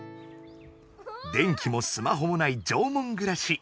電気もスマホもない縄文暮らし。